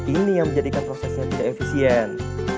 ini yang menjadikan prosesnya tidak efisien